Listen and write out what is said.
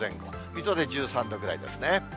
水戸で１３度ぐらいですね。